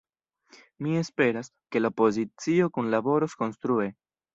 Mi esperas, ke la opozicio kunlaboros konstrue.